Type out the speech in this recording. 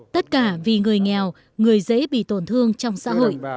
tất cả vì người nghèo người dễ bị tổn thương trong xã hội